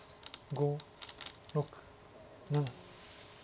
５６７８。